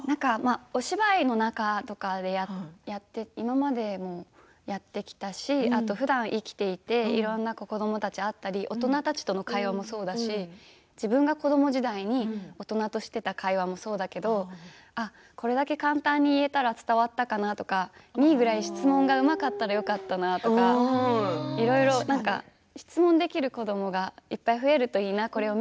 お芝居の中でも今までもやってきたし、ふだん生きていて、子どもたちだったり大人たちとの会話もそうだし自分が子ども時代に大人としていた会話もそうだしこれだけ簡単に言えたら伝わったかなとかみーぐらい質問がうまかったらなとか、質問できる子どもがいっぱいいるといいなと。